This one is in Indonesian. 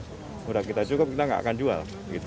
sudah kita cukup kita nggak akan jual